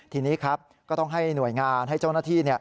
ทีนี้ครับก็ต้องให้หน่วยงานให้เจ้าหน้าที่